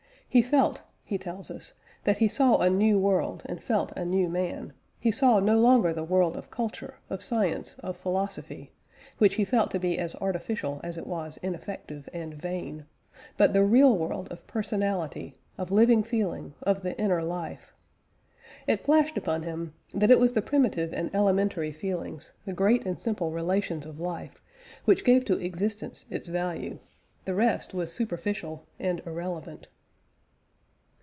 He felt (he tells us) that he saw a new world, and felt a new man; he saw no longer the world of culture, of science, of philosophy (which he felt to be as artificial as it was ineffective and vain), but the real world of personality, of living feeling, of the inner life. It flashed upon him that it was the primitive and elementary feelings, the great and simple relations of life, which gave to existence its value. The rest was superficial and irrelevant.